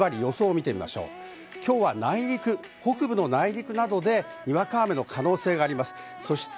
今日は北部の内陸でにわか雨の可能性があります。